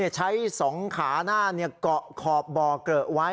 ใช้๒ขาหน้าเกาะขอบบ่อเกลอะไว้